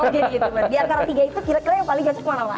diantara tiga itu kira kira yang paling cocok mana pak